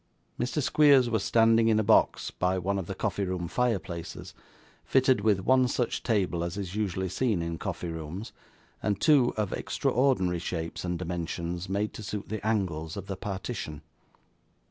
Mr. Squeers was standing in a box by one of the coffee room fire places, fitted with one such table as is usually seen in coffee rooms, and two of extraordinary shapes and dimensions made to suit the angles of the partition.